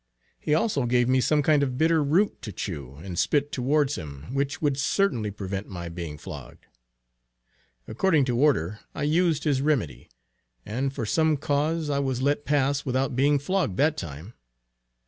He also gave me some kind of bitter root to chew, and spit towards him, which would certainly prevent my being flogged. According to order I used his remedy, and for some cause I was let pass without being flogged that time.